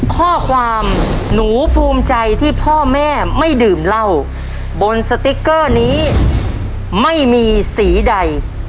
ข้อความหนูภูมิใจที่พ่อแม่ไม่ดื่มเหล้าบนสติ๊กเกอร์นี้ไม่มีสีใด